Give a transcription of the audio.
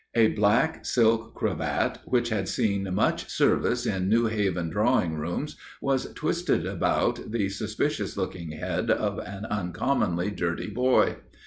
A black silk cravat which had seen much service in New Haven drawing rooms, was twisted about the suspicious looking head of an uncommonly dirty boy.